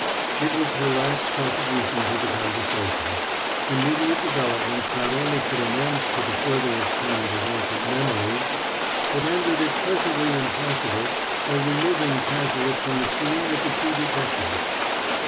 It was her last contribution to the conversation; immediate developments not only put an end to the further exchange of ancient memories, but rendered it presently impossible by removing Cazalet from the scene with the two detectives.